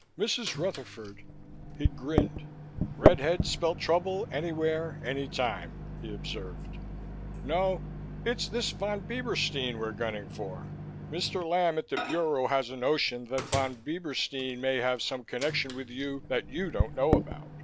Mrs. Rutherford " He grinned. "Red heads spell trouble anywhere, any time," he observed. "No, it's this Von Bieberstein we're gunning for. Mr. Lamb at the Bureau has a notion that Von Bieberstein may have some connection with you that you don't know about.